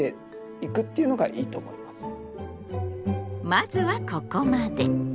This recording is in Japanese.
まずはここまで。